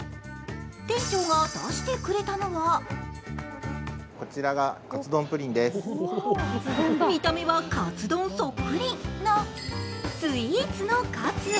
店長が出してくれたのが見た目はカツ丼そっくりなスイーツのカツ。